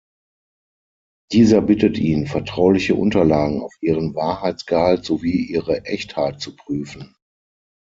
Dieser bittet ihn, vertrauliche Unterlagen auf ihren Wahrheitsgehalt sowie ihre Echtheit zu prüfen.